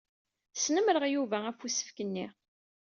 Snemmreɣ Yuba ɣef usefk-nni.